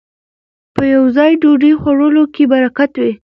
په يوه ځای ډوډۍ خوړلو کې برکت وي